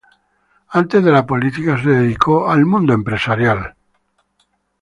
Antes de la política se dedicó al mundo empresarial.